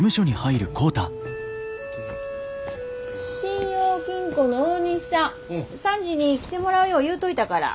信用金庫の大西さん３時に来てもらうよう言うといたから。